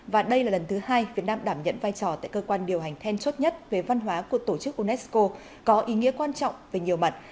và đây là lần thứ hai việt nam đảm nhận vai trò tại cơ quan điều hành then chốt nhất về văn hóa của tổ chức unesco có ý nghĩa quan trọng về nhiều mặt